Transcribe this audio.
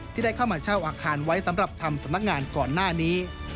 ที่ได้เข้ามาเช่าอาคารไว้สำหรับทำสำนักงานก่อนหน้านี้